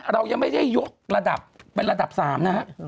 เรายังไม่ได้ยกระดับเป็นระดับ๓นะฮะ